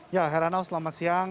ya heranau selamat siang